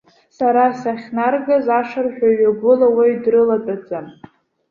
Сара сахьнаргаз ашырҳәа иҩагыло уаҩ дрылатәаӡам.